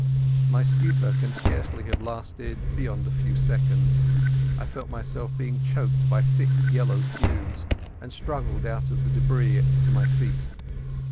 My stupor can scarcely have lasted beyond a few seconds. I felt myself being choked by thick yellow fumes, and struggled out of the debris to my feet.